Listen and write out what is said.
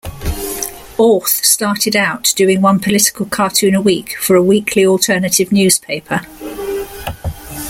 Auth started out doing one political cartoon a week for a weekly alternative newspaper.